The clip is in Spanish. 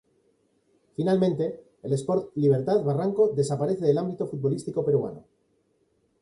Finalmente, el Sport Libertad Barranco desaparece del ámbito futbolístico peruano.